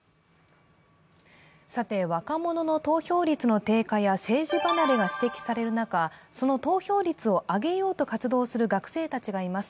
さて、若者の投票率の低下や政治離れが指摘される中、その投票率を上げようと活動する学生たちがいます。